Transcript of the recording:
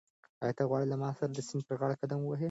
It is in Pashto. آیا ته غواړې چې له ما سره د سیند پر غاړه قدم ووهې؟